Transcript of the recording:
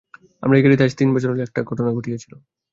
আমার এই গাড়িতেই আজ তিন বছর হইল একটা ঘটনা ঘটিয়াছিল।